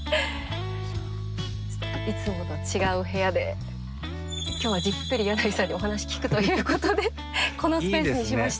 いつもと違う部屋で今日はじっくり箭内さんにお話聞くということでこのスペースにしました。